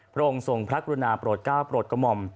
พระองค์ทรงพระกุณาปรดก้าวปรดกมม